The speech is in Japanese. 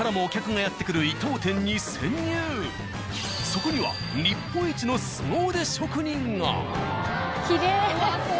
そこには日本一のスゴ腕職人が。